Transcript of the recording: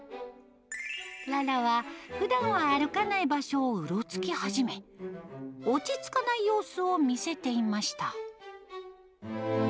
ララは、ふだんは歩かない場所をうろつき始め、落ち着かない様子を見せていました。